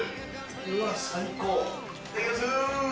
うわ、最高。